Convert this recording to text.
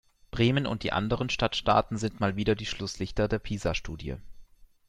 Bremen und die anderen Stadtstaaten sind mal wieder die Schlusslichter der PISA-Studie.